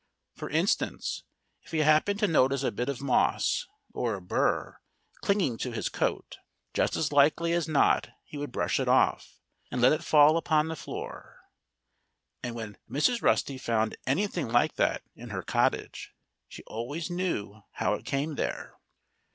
For instance, if he happened to notice a bit of moss or a burr clinging to his coat, just as likely as not he would brush it off and let it fall upon the floor. And when Mrs. Rusty found anything like that in her cottage, she always knew how it came there.